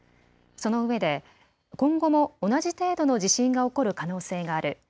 そのうえで今後も同じ程度の地震が起こる可能性がある。